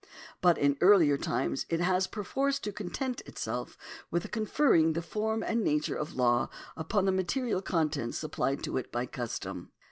But in earlier times it has per force to content itself with conferring the form and nature of law upon the material contents supplied to it by custom.